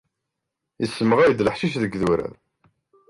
Issemɣay-d leḥcic deg idurar.